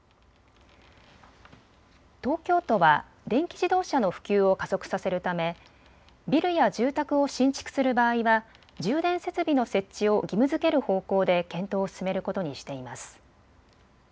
東京都は電気自動車の普及を加速させるためビルや住宅を新築する場合は充電設備の設置を義務づける方向で検討を進めることにしています。